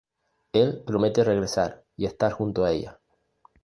Él promete regresar y estar junto a ella.